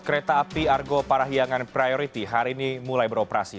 kereta api argo parahiangan priority hari ini mulai beroperasi